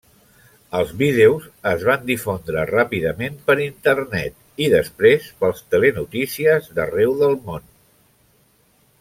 Els vídeos es van difondre ràpidament per internet i després pels telenotícies d'arreu del món.